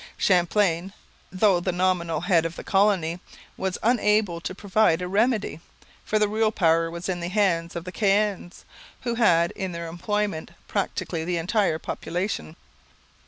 Champlain, though the nominal head of the colony, was unable to provide a remedy, for the real power was in the hands of the Caens, who had in their employment practically the entire population.